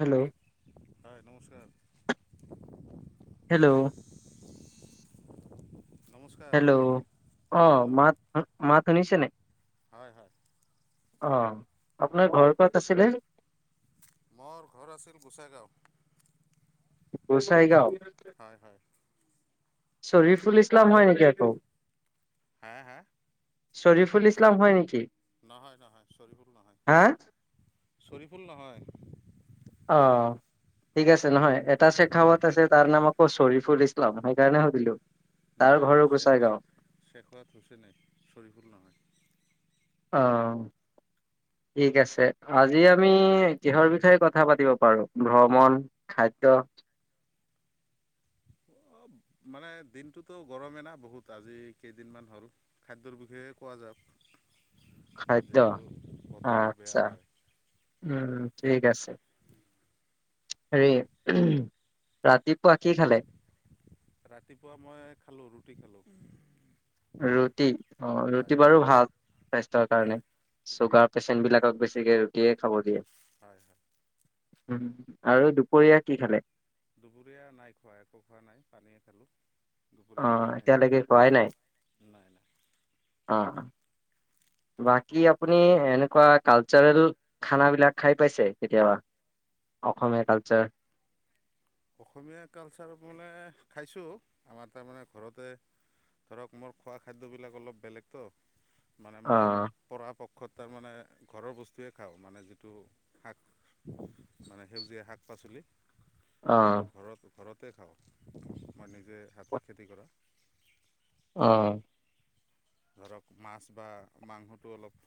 Hello হয় নমস্কাৰ। Hello নমস্কাৰ হেল্ল' অ হেল্ল' মাত মাত শুনিছে নে নাই? হয় হয়। অ আপোনাৰ ঘৰ ক'ত আছিলে? মোৰ ঘৰ আছিল গোচাই গাঁও। গোসাই গাঁও। শ্বৰি ফুল ইছলাম হয় নেকি আকৌ হা হা শ্বৰি ফুল ইছলাম হয় নেকি? নহয় নহয় চৰিফুল নহয় হা চৰিফুল নহয়। অ ঠিক আছে নহয় এটা চেখাৱত আছে তাৰ নাম আকৌ শ্বৰি ফুল ইছলাম সেইকাৰণে সুধিলো। তাৰ নাই ঘৰো নাই গোচাই গাঁও চেখোৱাত চেখোৱাত হুছে নাই চৰিফুল নহয়। অ ঠিক আছে আজি আমি কিহৰ বিষয়ে কথা পাতিব পাৰো ভ্ৰমণ খাদ এটো [unintelligible] মানে দিনটোতো গৰমে না বহুত আজি কেইদিনমান হ'ল খাদ্যৰ বিষয়ে কোৱা যাক খাদ্য বতৰটো আচ্ছা বেয়া হয় উম ঠিক আছে হেৰি ৰাতি ৰাতিপুৱা মই খালো ৰুটি খালো ৰুটি অ হয় ৰুটি হয় বাৰু ভাল স্বাস্থ্যৰ কাৰণে হয় চুগাৰ পেচেন বিলাকক বেছিকে ৰুটিয়ে খাব দিয়ে হয় হয়। উম আৰু দুপৰীয়া কি খালে? দুপৰীয়া নাই খোৱা একো খোৱা নাই পানীয়ে খালোঁ। দুপৰীয়া অহ খোৱা নাই এতিয়াও এতিয়ালকে খোৱাই নাই নাই নাই অহ বাকী আপুনি এনেকুৱা কালচাৰেল খানাবিলাক খাই পাইছে কেতিয়াবা? অসমীয়া কালচাৰ। অসমীয়া কালচাৰ মানে খাইছোঁ আমাৰ তাৰমানে ঘৰতে ধৰক মোৰ খোৱা খাদ্যবিলাক অলপ বেলেগতো মানে অ মই পৰা সপ্তাহ তাৰমানে ঘৰৰ বস্তুৱে খাওঁ মানে যিটো শাক মানে সেউজীয়া শাক পাচলি। অ সেইটো ঘৰত ঘৰতে খাওঁ মই নিজে হাতে খেতি কৰা অহ। ধৰক মাছ বা মাংসটো অলপ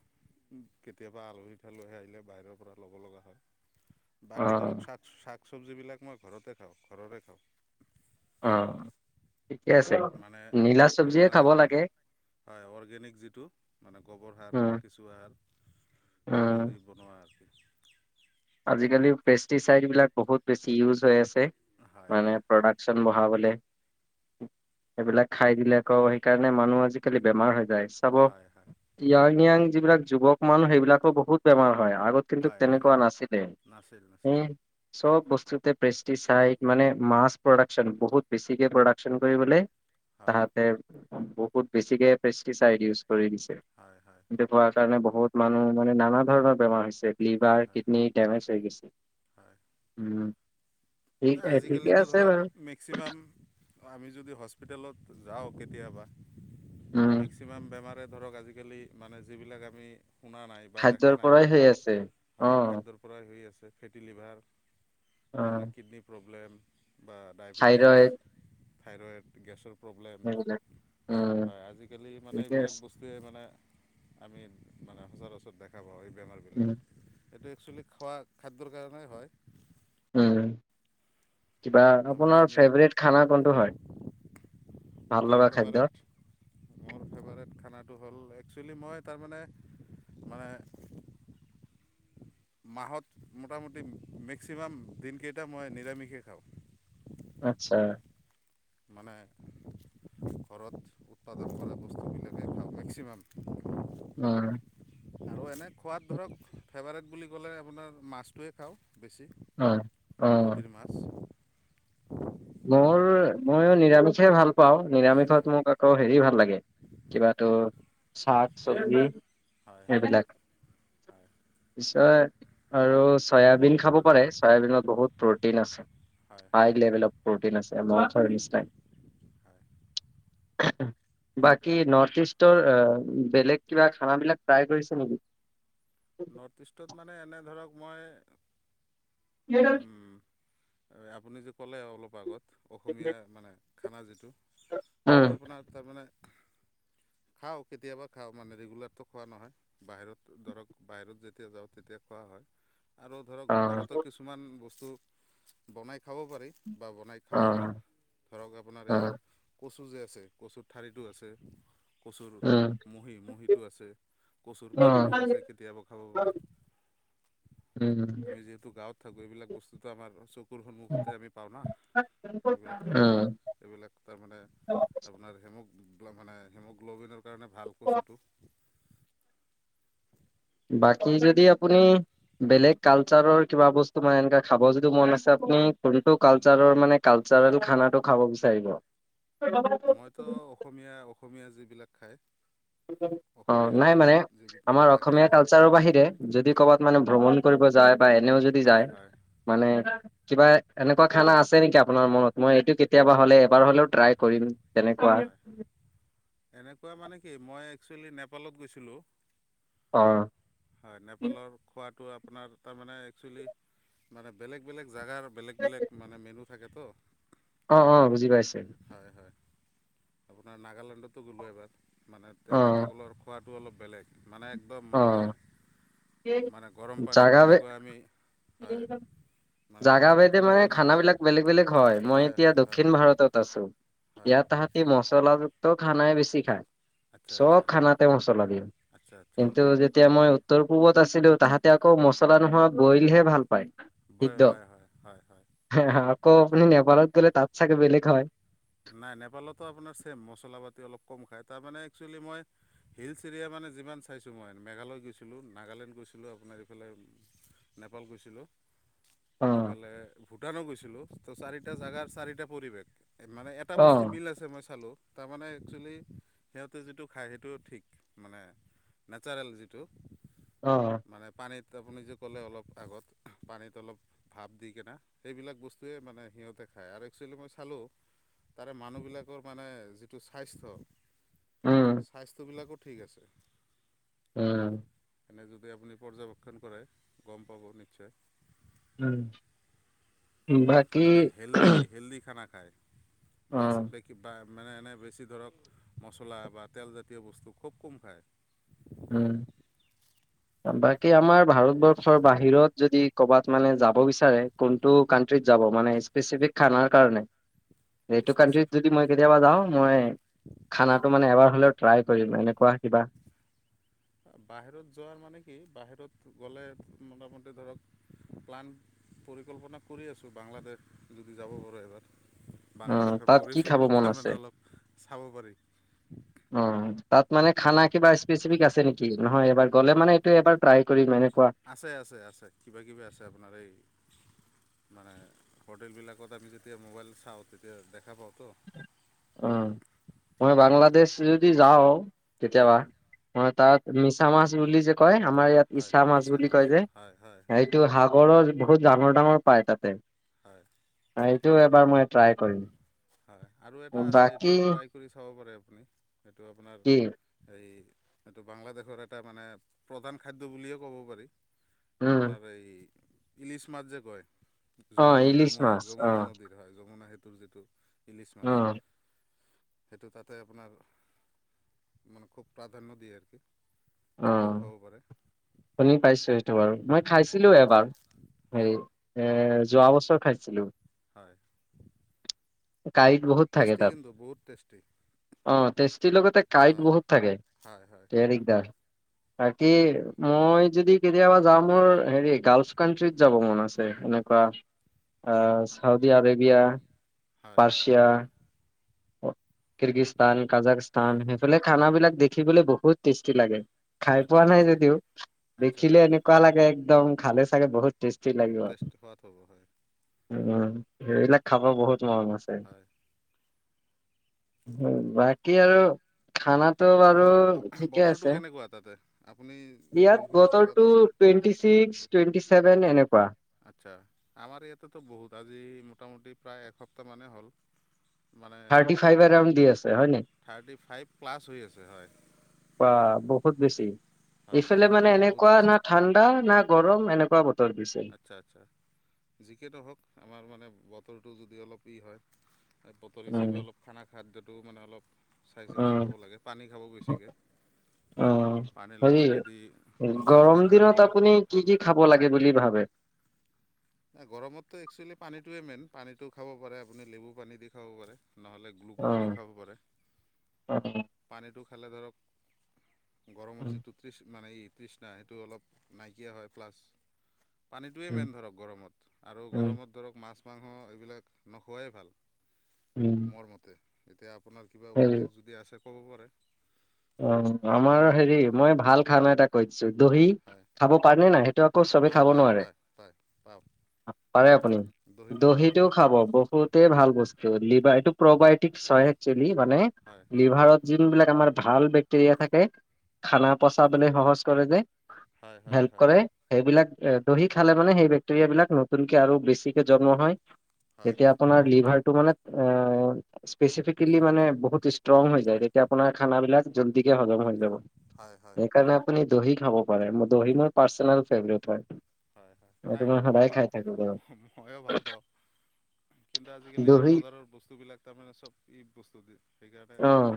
কেতিয়াবা আলহি চাহলী আহিলে বাহিৰৰ পৰা ল'ব লগা হয়। অ বাকী ধৰক শাক শাক চবজি বিলাক মই ঘৰতে থওঁ ঘৰৰে খাওঁ। অহ চে মানে নীলা চবজি য়ে আপোনাৰ খাব একদম লাগে। হয় অৰ্গেনিক যিটো মানে গোবৰ সাৰ উম বা কেঁচু সাৰ উম। সেইটো দি বনোৱা আছে। আজিকালি পেষ্টিচাইড বিলাক বহুত বেছি ইউজ হৈ আছে। ছে হয় মানে হয় প্ৰদাকচন বঢ়াবলে। সেইবিলাক খাই দিলে আকৌ সেইকাৰণে মানুহ আজিকালি বেমাৰ হৈ যায়। চাব হয় হয় ইয়াং ইয়াং যিবিলাক যুৱক মানুহ সেইবিলাকো বহুত বেমাৰ হয়। হয় আগত কিন্তু হয় হয় তেনেকুৱা নাছিল। নাছিল নাছিল। চব বস্তু প্ৰষ্টিচাইড মানে মাছ প্ৰদাকচন বহুত বেছিকে প্ৰদাকচন হয় তাহাতে বহুত বেছিকে পেষ্টিচাইড ইউজ কৰি দিছে, হয় হয় সেইটো কৰা কাৰণে বহুত মানুহ মানে নানা ধৰণৰ বেমাৰ হৈছে। হয় লিভাৰ, হয় কিড কিডনি দেমেজ হৈ গৈছে হয় উম। ঠিক ঠিকে আজিকালিতো আছে ধৰক বাৰু মেক্সিমাম আমি যদি হস্পিটেলত যাওঁ কেতিয়াবা উম মেক্সিমাম বেমাৰে ধৰক আজিকালি মানে যিবিলাক আমি শুনা নাই বা খাদ্যৰ দেখা নাই পৰাই হৈ আছে অ হয় খাদ্যৰ পৰাই হৈ আছে ফেটি লিভাৰ অহ। আপোনাৰ কিডনী প্ৰব্লেম বা ডাইবেটিছ ফ্ৰেৱেৰ গেছৰ প্ৰব্লেম এইবিলাক উম, হয় আজিকালি মানে ঠিকে এইবিলাক আছে। বস্তুৱেই মানে আমি মানে সচৰাচৰ দেখা পোৱা হয় এই। বেমাৰবিলাক উম এইটো একচুৱেলি খোৱা খাদ্যৰ কাৰণেই হয়। উম কিবা তাৰমানে আপোনাৰ আমি ফেভাৰট খানা কোনটো হয়? ভাল মোৰ লগা খাদ্য? ফেভাৰট মোৰ ফেভাৰট খানা তোৰ হল' এক্সলি মই তাৰ মানে মানে মাহত মোটামুটি মেক্সিমাম দিনকেইটা মই নিৰামিষে খাওঁ। আচ্ছা। মানে ঘৰত উৎপাদন কৰা বস্তুবিলাক মেক্সিমাম উম, আৰু এনে খোৱাত ধৰক ফেভাৰেট বুলি ক'লে আপোনাৰ মাছটোৱে খাওঁ। বেছি উম, অ', নদীৰ মাছ। মোৰ ময়ো নিৰামিষে ভাল পাও, হয় হয় নিৰামিষত মোক আকৌ হেৰি ভাল লাগে, কিবাটো শাক -চবজি হয় হয় সেইবিলাক, হয় পিছত আৰু চয়াবিন খাব পাৰে, চয়াবিনত বহুত প্ৰটিন আছে হয় হয় হাই লেভেলত। প্ৰটিন আছে মই হয় ফাৰ্ষ্ট হয় টাইম। বাকী নৰ্থ ইষ্টৰ এ বেলেগ কিবা খানাবিলাক ট্ৰাই কৰিছে নেকি? নৰ্থ ইষ্টত মানে এনে ধৰক মই উম, [unintelligible] আপুনি যে কলে অলপ আগত অসমীয়া মানে খানা যিটো সেইটো উম, আপোনাৰ তাৰমানে খাওঁ কেতিয়াবা খাওঁ মানে ৰেগুলাৰটো খোৱা নহয় বাহিৰত ধৰক বাহিৰত যেতিয়া যাওঁ তেতিয়া খোৱা হয় আৰু ধৰক অ', ঘৰতো কিছুমান বস্তু বনাই খাব পাৰি বা বনাই খাওঁ আমি অ', ধৰক আপোনাৰ এই অ'। কচু যে আছে কচুৰ ঠাৰিটো আছে। কচুৰ অ', মহি মহিটো আছে, কচুৰ অ', পাতটো আছে। সেইবোৰ খাব পাৰি, উম, আমি যিহেতু গাওঁত থাকোঁ সেইবোৰ বস্তুটো আমাৰ স্কুল সন্মুখতে আমি পাও না। এইবিলাক খাব উম, পাৰি, এইবিলাক তাৰমানে আপোনাৰ হেমুখ মানে হিমোগ্ল'বিনৰ কাৰণে ভাল কচুটো বাকী যদি আপুনি বেলেগ কালচাৰৰ কিবা বস্তু মানে এনে খাব যদি মন আছে আপুনি কোনটো কালচাৰৰ মানে কাল চাৰৰ খানাটো খাব বিচাৰিব? মইতো অসমীয়া -অসমীয়া যিবিলাক খাই অ, নাই মানে যিটো আমাৰ থাকে আৰু অসমীয়া কি কালচাৰৰ বাহিৰে যদি ক'বাত মানে ভ্ৰমণ কৰিব যায় বা এনেও যদি হয় যায় হয় মানে কিবা এনেকুৱা খানা আছে নেকি আপোনাৰ মনত মই এইটো কেতিয়াবা হ'লে এবাৰ হলেও ট্ৰাই কৰিম? তেনেকুৱা। হয় এনেকুৱা মানে কি মই একচুৱেলি নেপালত গৈছিলোঁ। অ হয় নেপালৰ খোৱাটো আপোনাৰ তাৰমানে একচুৱেলি মানে বেলেগ বেলেগ জেগাৰ বেলেগ বেলেগ মানে মেনু থাকে তো অ অ বুজি পাইছোঁ আপোনাৰ নাগালেণ্ডতো গ'লোঁ এবাৰ মানে অ', তেখেতসকলৰ খোৱাটো অলপ বেলেগ মানে একদম মানে অ', মানে গৰম পানীত জাগা তেনেকুৱা আমি হয়। মানে জাগা অলপ ভেদে উতলাই মানে কেনে খাওঁ খানাবিলাক বেলেগ বেলেগ হয়, মই এতিয়া হয় হয় দক্ষিণ ভাৰতত আছো। হয় ইয়াত তাহাতি মছলা যু ত খানাই বেছি খায়, আচ্ছা চব আচ্ছা খানাতে মচলা দিওঁ আচ্ছা আচ্ছা কিন্তু যেতিয়া মই উত্তৰ পূৱত আছিলো তাহাঁতে আকৌ মছলা নোহোৱা বইলহে ভাল পায়, বয় সিদ্ধ হয় হয় হয় হয় হে হে আকৌ আপুনি নেপালত গলে তাত চাগে বেলেগ হয়। নাই নেপালতো আপোনাৰ ছেম মছলা পাতি অলপ কম খায় তাৰমানে একচুৱেলি মই হিলছ এৰিয়া মানে যিমান চাইছোঁ মই মেঘালয় গৈছিলোঁ, নাগালেণ্ড গৈছিলোঁ আপোনাৰ এইফালে নেপাল গৈছিলোঁ। অ', ইফালে ভূটানো গৈছিলো, ত চাৰিটা জাগাৰ চাৰিটা পৰিৱেশ। মানে এটা বস্তু অ'। মিল আছে মই চালোঁ। তাৰমানে একচুৱেলি সিহঁতে যিটো খায় সেইটো ঠিক মানে নেচাৰেল যিটো অ', মানে পানীত আপুনি যে ক'লে অলপ আগত পানীত অলপ ভাপ দি কিনা, সেইবিলাক বস্তুৱেই মানে সিহঁতে খাই আৰু একচুৱেলি মই চালোঁ। তাৰে মানুহবিলাকৰ মানে যিটো স্বাস্থ্য, উম, স্বাস্থ্যবিলাকত ঠিক আছে। উম। এনে যদি আপুনি পৰ্যবেক্ষণ কৰে গম পাব নিশ্চয়। উম। বাকী মানে হেল্দি হেল্দি খানা খায়। বাছ অ', বেকি বা, মানে এনেই বেছি ধৰক মচলা বা তেলজাতীয় বস্তু খুব কম খায়। উম। বাকী আমাৰ ভাৰতবৰ্ষৰ বাহিৰত যদি ক'বাত মানে যাব বিচাৰে কোনটো কান্ট্ৰী - যাব মানে ইচপেছিয়েলি খানাৰ কাৰণে? এইটো কানট্ৰিত স্পেচিফিক যদি মই কেতিয়াবা যাওঁ, মই খানাটো মানে এবাৰ হ'লেও ট্ৰাই কৰিম এনেকুৱা কিবা। বাহিৰত যোৱাৰ মানে কি বাহিৰত গ'লে, মোটামুটি ধৰক প্লান পৰিকল্পনা কৰি আছোঁ, বাংলাদেশ যদি যাব পাৰো এবাৰ অ বাংলাদেশৰ তাত কি খাব পৰিৱেশটো মন আছে তাৰমানে অলপ চাব পাৰি। অ তাত মানে খানা কিবা স্পেচিফিক আছে নেকি। নহয় এবাৰ গ'লে মানে এইটো এবাৰ ট্ৰাই কৰিম মানে। আছে আছে আছে কিবা কিবি আছে। আপোনাৰ এই- মানে হোটেলবিলাকত আমি যেতিয়া মোবাইল চাওঁ, তেতিয়া দেখা পাওঁতো, অ, মই বাংলাদেশ যদি যাওঁ হয় কেতিয়াবা মই, তাত মিছা মাছ বুলি যে কয়, আমাৰ ইয়াত হয় ইছা মাছ মিছা বুলি কয় যে, হয় হয় হয় এইটো সাগৰৰ- বহুত ডাঙৰ ডাঙৰ পায় তাতে। হয়। সেইটো টো এবাৰ মই ট্ৰাই কৰিম। হয় আৰু এটা আছে এইটো বাকী ট্ৰাই কৰি চাব পাৰে আপুনি, এইটো আপোনাৰ কি এই এইটো বাংলাদেশৰ এটা মানে প্ৰধান খাদ্য বুলিয়ে ক'ব পাৰি। উম আপোনাৰ এই - ইলিচ মাছ যে কয়, অ যমুনা ইলিছ যমুনা মাছ অ যমুনা নদীৰ হয়, যমুনা সেইটোৰ যিটো- ইলিছ মাছ, অ সেইটো তাতে আপোনাৰ মানে খুব প্ৰাধান্য দিয়ে আৰু কি। অ সেইটো খাব পাৰে। শুনি পাইছো সেইটো বাৰু। মই হয় খাইছিলো হয় এবাৰ হয় হেৰি এৰ যোৱা বছৰ খাইছিলো। হয়। কাইট বহুত থাকে টেষ্টি তাত। কিন্তু বহুত টেষ্টি অ তেষ্টিৰ লগতে কাইট হয় বহুত থাকে হয় হয় সেইটোৱে দিগদাৰ বাকি, মই যদি কেতিয়াবা যাও, মোৰ হেৰি গাল্ফ কান্ট্ৰীত যাব মন আছে। এনেকুৱা চাউদি আৰবিয়া, হয় পাৰ্চিয়া, কিৰ্গিস্তান, কাজাখস্তান, হয় সেইফালে খানাবিলাক দেখিবলৈ বহুত টেষ্টি লাগে। খাই পোৱা আচ্ছা নাই আচ্ছা যদিও, আচ্ছা দেখিলে আচ্ছা এনেকুৱা লাগে একদম খালে চাগে বহুত টেষ্টি লাগিব টেষ্ট আৰু সোৱাদ হ'ব হয় উম সেইবিলাক খাব বহুত - মন আছে। হয় বাকী আৰু খানাটো বাৰু ঠিকে আছে। বতৰটো কেনেকুৱা তাতে, আপুনি যোনখিনি জেগাত আছে? টুৱেন্টি ছিক্স, টুৱেন্টি ছেভেন এনেক আচ্ছা, আমাৰ ইয়াতেতো বহুত, আজি মোটামুটি প্ৰায় এসপ্তাহ মানেই হ'ল। মানে থাৰ্টি ফাইভ এৰাউণ্ড দি আছে হয় নাই? থাৰ্টি ফাইভ প্লাছ হৈ আছে হয়। বা বহুত। বেছি, হয় ইফালে বহুত মানে বহুত এনেকুৱা, বেছি না ঠাণ্ডা না গৰম এনেকুৱা বতৰ। দিছে। আচ্ছা আচ্ছা, যিকেই নহওক আমাৰ মানে বতৰটো যদি অলপ ই হয়। বতৰ উম, হিচাপে অলপ খানা খাদ্যটোও মানে অলপ চাই চিন্তি উম, খাব লাগে, পানী খাব বেছিকৈ। অ'। পানীৰ হেৰি লগত যদি গ্লুক'জ গৰম দি খাব দিনত পাৰে আপুনি কি ভাল। কি খাব লাগে বুলি ভাবে? নাই গৰমতো এক্চুৱেলি পানীটোৱে মেইন, পানীটো খাব পাৰে আপুনি নেমু পানী দি খাব পাৰে। নহ'লে গ্লুক'জ দি অ', খাব পাৰে, অ'। পানীটো খালে ধৰক গৰমৰ উম, যিটো তৃষ্ মানে এই তৃষ্ণা সেইটো অলপ নাইকিয়া হয়। প্লাছ পানীটোৱেই উম, মেইন ধৰক গৰমত, আৰু উম, গৰমত ধৰক মাছ-মাংস এইবিলাক নোখোৱাই ভাল। উম, মোৰ মতে, এতিয়া আপোনাৰ কিবা হেৰি উপদেশ যদি আছে ক'ব পাৰে। অ' আমাৰ হেৰি মই ভাল খানা এটা কৈ দি দহি হয় খাব পাৰনে নাই, সেইটো আকৌ চবে পায় খাব পায় নোৱাৰে। পায় পায় পাওঁ পাৰে আপুনি, খাওঁ দহিটো হয় খাব বহুতেই ভাল বস্তু, লিভাৰ এইটো প্ৰবায়টিক চয়েত যেলি মানে, হয় লিভাৰত যোন বিলাক আমাৰ ভাল বেক্টেৰিয়া থাকে খানা পচাবলৈ সহজ কৰে যে হয় হয় হেল্প হয় কৰে, সেইবিলাক এ দহি খালে মানে সেই বেক্টেৰিয়া বিলাক, নতুনকে আৰু বেছিকে জন্ম হয়। হয় তেতিয়া আপোনাৰ লিভাৰ টো মানে, স্পেচিফিকেলি মানে বহুত ষ্ট্ৰং হৈ যায়। তেতিয়া আপোনাৰ খানা বিলাক যল্দি কে হজম হৈ যাব। হয় হয় সেইকাৰণে আপুনি দহি খাব পাৰে, দহি মোৰ পাৰ্চনেল ফেভৰেট হয়। হয় হয়, নাই এইটো মই সদায় খাই থাকো বাৰু ময়ো ভাল পাওঁ। কিন্তু আজি কালি দহি বজাৰৰ বস্তু বিলাক তাৰমানে চব ই বস্তু যে অ'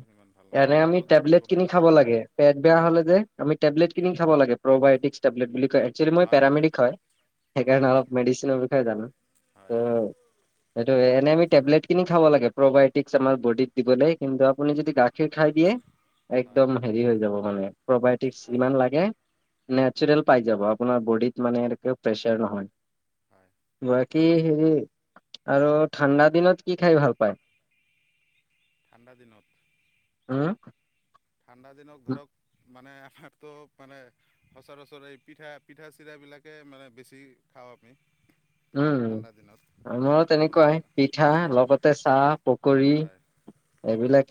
এনে আমি যদি টেবলেট বনাই কিনি খাব পাৰে লাগে, পেট বেয়া হ'লে হয় যে আমি টেবলেট কিনি খাব লাগে, প্ৰ'বায়টিক টেবলেট বুলি একচুৱেলি মই পেৰামেডিক হয়, সেইকাৰণে হয় অলপ মেডিচিনৰ বিষয়ে জানো। ত' হয় সেইটো এনেই আমি টেবলেট কিনি খাব লাগে, প্ৰবায়টিক্ছ আমাৰ বডিত দিবল, কিন্তু আপুনি যদি গাখীৰ খাই দিয়ে হয় হয় একদম হেৰি হৈ যাব মানে প্ৰবায়টিক যিমান লাগে নেচাৰেল পাই যাব, আপোনাৰ বডিত মানে প্ৰেছাৰ নহয়। হয় কি হেৰি, আৰু ঠাণ্ডা দিনত কি খাই ভাল পায়। ঠাণ্ডা দিনত। উম' ঠাণ্ডা দিনত ধৰক মানে আমাৰতো মানে সচৰাচৰ এই পিঠা, পিঠা-চিঠা বিলাকে মানে বেছি খাওঁ আমি। উম' ঠাণ্ডা দিনত আমাৰ আপোনাৰ তেনেকুৱাই পিঠা হয় লগতে চাহ, পকৰি হয় এইবিলাক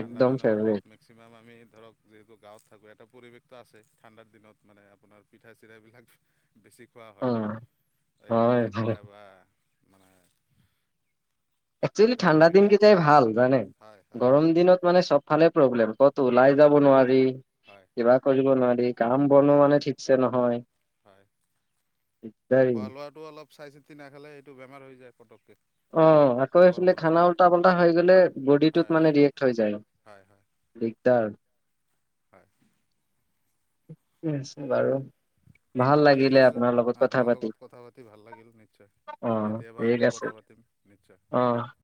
ঠাণ্ডা দিনত ধৰক, মেক্সিমাম আমি ধৰক যিহেতু গাঁৱত থাকো এটা পৰিৱেশ আছে ঠাণ্ডাৰ দিনত মানে আপোনাৰ পিঠা-চিঠা বিলাক বেছি খোৱা অ হয়। এই হয় দুধৰ হয় পিঠা বা মানে একচুৱেলি তেলৰ ঠাণ্ডা দিন পিঠা গিতাই ভাল জানে, হয় হয় গৰম দিনত মানে চব ফালে প্ৰব্লেম। কতো ওলাই হয় যাব নোৱাৰি, হয় কিবা কৰিব নোৱাৰি, কাম বনো মানে ঠিকছে নহয়। হয় দিগদাৰি। খোৱা লোৱাটো অলপ চাই চিতি নাখালে এইটো বেমাৰ হৈ যায় পটককে। অ আকৌ একচলি খানা উল্টা-পাল্টা হৈ গ'লে, বডিটোত হয় মানে হয় ৰিয়েক্ট হৈ যায়। হয় হয় দিগদাৰ। হয়' ছ বাৰু। ভাল ঠিক লাগিলে আছে, আপোনাৰ লগত কথা আপোনাৰ পাতি লগত কথা পাতি ভাল লাগিল নিশ্চয়। অ কেতিয়াবা ঠিক আকৌ আছে কথা পাতিম, নিশ্চয়। অঁ